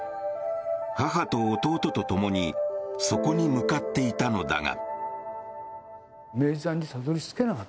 母と弟とともにそこに向かっていたのだが。